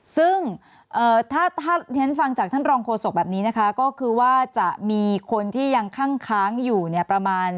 ซึ่งถ้าฉันฟังจากท่านรองโฆษกแบบนี้นะคะก็คือว่าจะมีคนที่ยังคั่งค้างอยู่เนี่ยประมาณ